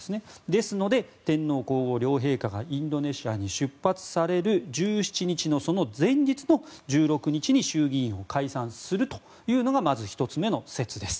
ですので、天皇・皇后両陛下がインドネシアに出発される１７日の前日の１６日に衆議院を解散するというのがまず１つ目の説です。